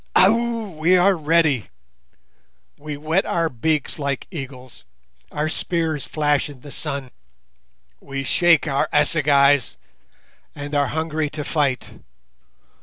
Ow! we are ready. We wet our beaks like eagles, our spears flash in the sun; we shake our assegais, and are hungry to fight.